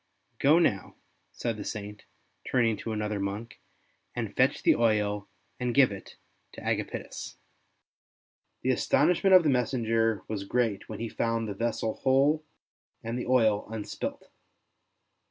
'' Go now," said the Saint, " turning ST. BENEDICT 67 to another monk, '' and fetch the oil, and give it to Agapitus." The astonishment of the messenger was great when he found the vessel whole and the oil unspilt.